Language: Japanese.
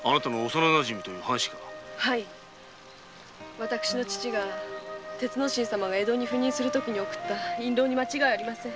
私の父が鉄之進様が江戸に赴任するときに贈った印籠に間違いありません。